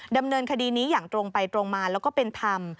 ดำเนินคดีนี้อย่างตรงไปตรงมาแล้วก็เป็นธรรม